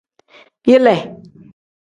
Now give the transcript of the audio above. Yile.